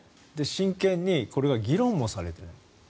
真剣に、これは議論もされていない。